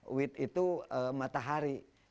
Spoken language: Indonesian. wit itu matahari